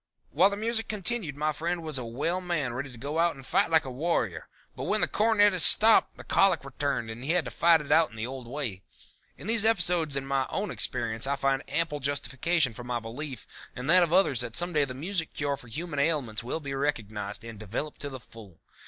"While the music continued my friend was a well man ready to go out and fight like a warrior, but when the cornetist stopped the colic returned and he had to fight it out in the old way. In these episodes in my own experience I find ample justification for my belief and that of others that some day the music cure for human ailments will be recognized and developed to the full.